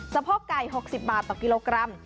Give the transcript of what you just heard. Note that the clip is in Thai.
โพกไก่๖๐บาทต่อกิโลกรัม